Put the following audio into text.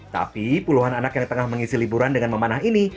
tapi puluhan anak yang tengah mengisi liburan dengan memanah ini